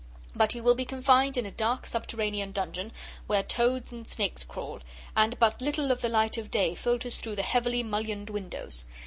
But you will be confined in a dark, subterranean dungeon where toads and snakes crawl, and but little of the light of day filters through the heavily mullioned windows.